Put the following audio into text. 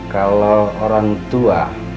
kalau orang tua